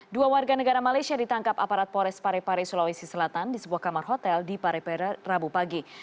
dua warga negara malaysia ditangkap aparat pores parepare sulawesi selatan di sebuah kamar hotel di parepare rabu pagi